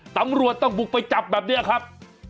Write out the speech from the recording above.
ตำรวจต้องบุกไปจับแบบนี้ครับ